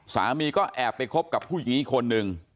สามีก็แอบไปคบกับผู้หญิงอีกคนนึง